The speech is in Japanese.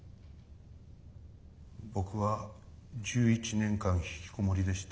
僕は１１年間ひきこもりでした。